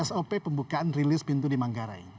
sop pembukaan rilis pintu di manggarai